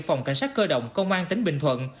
phòng cảnh sát cơ động công an tỉnh bình thuận